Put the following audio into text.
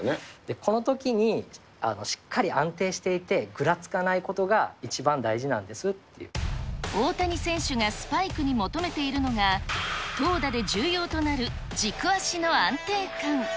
このときに、しっかり安定していて、ぐらつかないことが、大谷選手がスパイクに求めているのが、投打で重要となる軸足の安定感。